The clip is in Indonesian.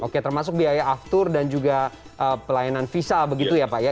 oke termasuk biaya aftur dan juga pelayanan visa begitu ya pak ya